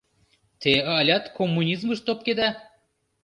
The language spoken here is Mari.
Те алят коммунизмыш топкеда?